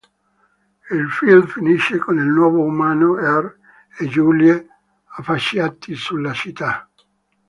Il film finisce con il nuovo-umano R e Julie affacciati sulla città.